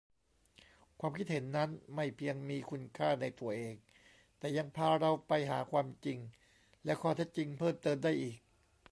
ความคิดเห็นนั้นไม่เพียงมีคุณค่าในตัวเอง แต่ยังพาเราไปหาความจริงและข้อเท็จจริงเพิ่มเติมได้อีก